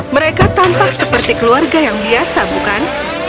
mereka tampak seperti keluarga yang biasa bukan